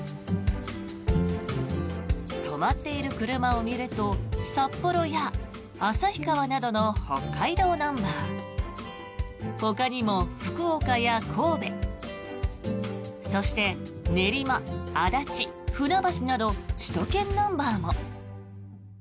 止まっている車を見ると札幌や旭川などの北海道ナンバーほかにも福岡や神戸そして、練馬、足立、船橋など首都圏ナンバーも。